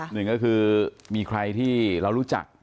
หนึ่งก็คือมีใครที่เรารู้จัก